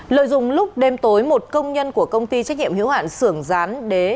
lời dùng lúc đêm tối một công nhân của công ty trách nhiệm hiếu hạn sưởng gián đế